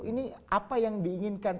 ini apa yang diinginkan